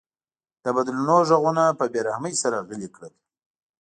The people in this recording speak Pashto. د بدلونونو غږونه په بې رحمۍ سره غلي کړل.